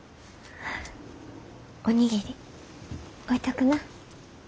お握り置いとくな。